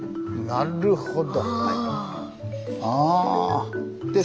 なるほど。